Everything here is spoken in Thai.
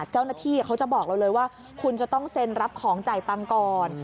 เจ้าหน้าที่เขาจะบอกเราเลยว่าคุณจะต้องเซ็นรับของจ่ายตังค์ก่อน